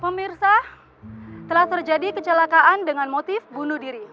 pemirsa telah terjadi kecelakaan dengan motif bunuh diri